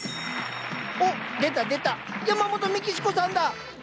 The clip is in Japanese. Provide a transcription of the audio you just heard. おっ出た出たヤマモトメキシコさんだ。